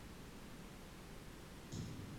خطاطي ښکلی لیکل دي